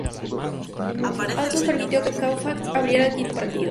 Alston permitió que Koufax abriera el quinto partido.